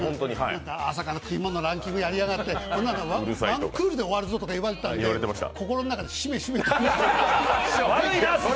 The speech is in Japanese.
朝から食いもんのランキングやりやがって、ワンクールで終わるぞっていわれて心の中でしめしめと。